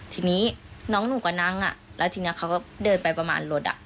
ทีนี้น้องหนูก็นั่งแล้วทีนี้เขาก็เดินไปประมาณรถอ่ะ